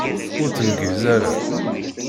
Ur ttengiz ara!